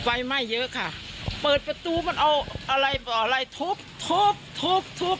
ไฟใหม่เยอะค่ะเปิดประตูมันเอาอะไรบอกอะไรทบ